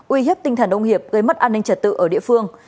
uy hiếp tinh thần ông hiệp gây mất an ninh trật tự ở địa phương